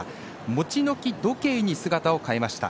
モチノキ時計に姿を変えました。